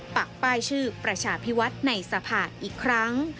ปักป้ายชื่อประชาพิวัฒน์ในสภาอีกครั้ง